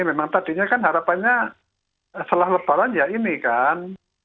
memang tadinya kan harapannya setelah lebaran ya ini kan